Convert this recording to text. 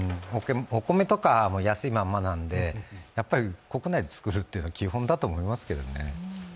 お米とかも安いままなのでやっぱり国内で作るというのは基本だと思いますけどね。